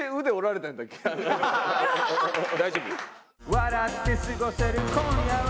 「笑って過ごせる今夜は」